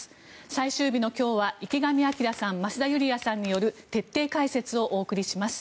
最終日の今日は池上彰さん増田ユリヤさんによる徹底解説をお送りします。